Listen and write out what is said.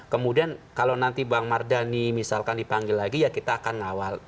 kemudian kalau nanti bang mardhani misalkan dipanggil lagi ya kita akan ngawal